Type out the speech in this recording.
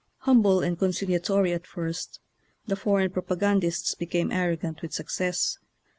Humble and conciliatory at first, the for eign propagandists became arrogant with success.